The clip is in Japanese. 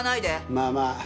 まあまあ。